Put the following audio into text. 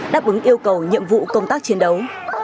đáp ứng yêu cầu nhiệm vụ công tác chiến đấu